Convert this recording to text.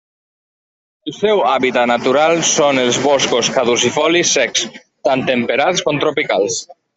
El seu hàbitat natural són els boscos caducifolis secs, tant temperats com tropicals.